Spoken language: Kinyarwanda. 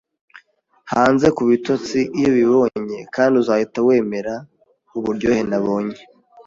hanze kubitotsi iyo ubibonye, "kandi uzahita wemera uburyohe nabonye